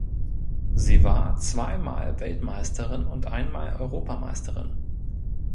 Sie war zweimal Weltmeisterin und einmal Europameisterin.